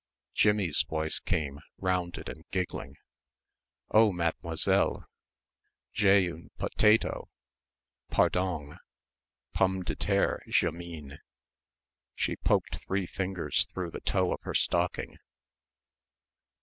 Jimmie's voice came, rounded and giggling, "Oh, Mademoiselle! j'ai une potato, pardong, pum de terre, je mean." She poked three fingers through the toe of her stocking.